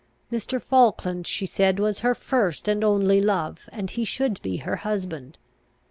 Mr. Falkland, she said, was her first and only love, and he should be her husband.